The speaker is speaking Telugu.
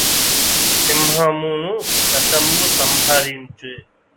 సింహమును శశంబు సంహరించె